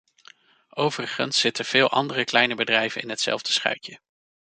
Overigens zitten veel andere kleine bedrijven in hetzelfde schuitje.